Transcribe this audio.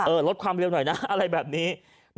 ลดความเร็วหน่อยนะอะไรแบบนี้